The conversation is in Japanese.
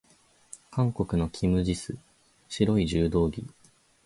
韓国のキム・ジス、白い柔道着。